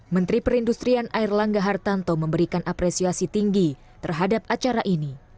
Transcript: menteri perindustrian air langga hartanto memberikan apresiasi tinggi terhadap acara ini